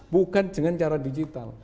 bukan dengan cara digital